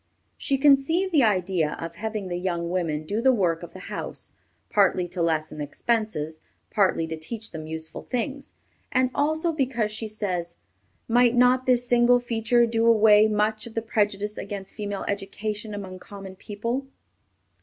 She conceived the idea of having the young women do the work of the house, partly to lessen expenses, partly to teach them useful things, and also because she says, "Might not this single feature do away much of the prejudice against female education among common people?"